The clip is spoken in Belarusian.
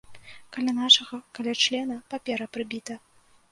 Каля нашага, каля члена, папера прыбіта.